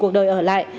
cuộc đời ở lại